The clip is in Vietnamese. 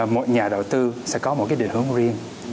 một nhà đầu tư sẽ có một định hướng riêng